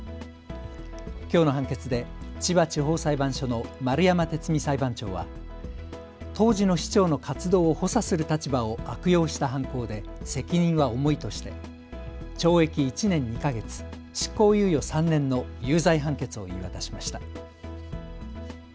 きょうの判決で千葉地方裁判所の丸山哲巳裁判長は当時の市長の活動を補佐する立場を悪用した犯行で責任は重いとして懲役１年２か月、執行執行猶予３年の有罪判決を言い渡しました。